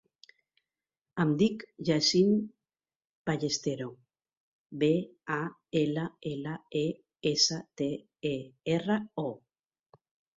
Em dic Yassine Ballestero: be, a, ela, ela, e, essa, te, e, erra, o.